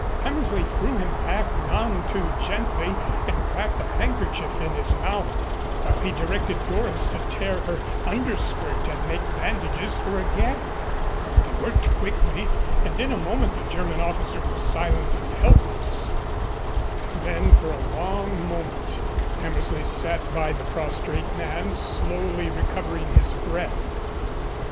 Hammersley threw him back, none too gently, and clapped a handkerchief in his mouth, while he directed Doris to tear her under skirt and make bandages for a gag. They worked quickly and in a moment the German officer was silent and helpless. Then for a long moment Hammersley sat by the prostrate man, slowly recovering his breath.